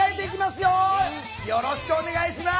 よろしくお願いします！